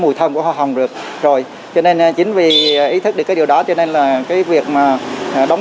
mùi thơm của hoa hồng được rồi cho nên chính vì ý thức được cái điều đó cho nên là cái việc mà đóng